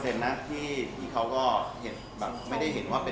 จริงเราไปอ่านเหมือนกันนะครับแต่ด้วยความควบคุณสิทธิ์ไม่ได้คิดอะไรนะครับ